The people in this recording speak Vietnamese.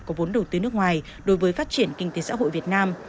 có vốn đầu tư nước ngoài đối với phát triển kinh tế xã hội việt nam